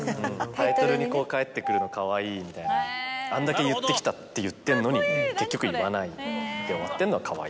タイトルに返ってくるのかわいいみたいなあんだけ言ってきたって言ってるのに結局言わないで終わってんのはかわいい。